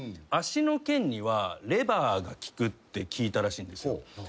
足の腱にはレバーが効くって聞いたらしいんですよ。